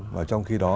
và trong khi đó